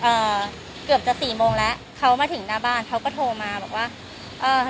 เอ่อเกือบจะสี่โมงแล้วเขามาถึงหน้าบ้านเขาก็โทรมาบอกว่าเอ่อ